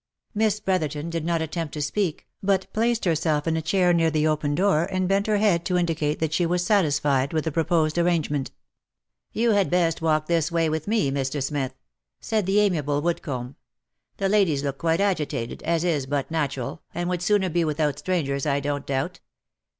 Miss Brotherton did not attempt to speak, but placed herself in a chair near the open door, and bent her head to indicate that she was satisfied with the proposed arrangement. " You had best walk this way with me, Mr. Smith," said the ami able Woodcomb, " the ladies look quite agitated, as is but natural, and would sooner be without strangers I don't doubt."